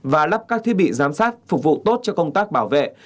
và lắp các thiết bị giám sát phục vụ tốt cho công tác bảo vệ